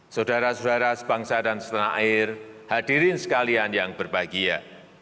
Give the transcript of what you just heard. saudara saudara sebangsa dan setanah air hadirin sekalian yang berbahagia